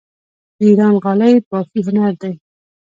د ایران غالۍ بافي هنر دی.